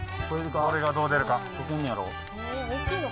これがどう出るか。